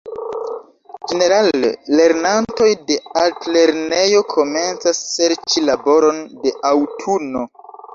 Ĝenerale lernantoj de altlernejo komencas serĉi laboron de aŭtuno.